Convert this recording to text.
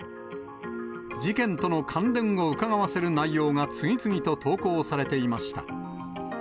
事件との関連をうかがわせる内容が次々と投稿されていました。